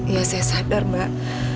ya saya sadar mbak